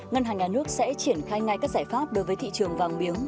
ngân hàng nhà nước sẽ triển khai ngay các giải pháp đối với thị trường vàng miếng